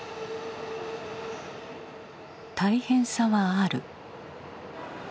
大変さはある。